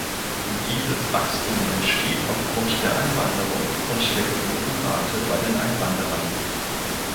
Dieses Wachstum entsteht aufgrund der Einwanderung und der Geburtenrate bei den Einwanderern.